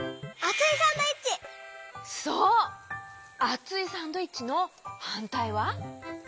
あついサンドイッチのはんたいは？